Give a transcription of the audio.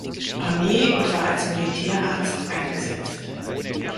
Armee und war als Militärarzt eingesetzt.